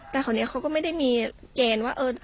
แต่ของเนี้ยเขาก็ไม่ได้มีเกณฑ์ว่าเอ่อ